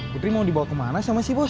putri mau dibawa kemana sama si bos